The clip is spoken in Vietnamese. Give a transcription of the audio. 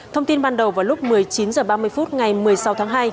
thông tin ban đầu vào lúc một mươi chín h ba mươi phút ngày một mươi sáu tháng hai